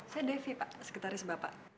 saya devi pak sekretaris bapak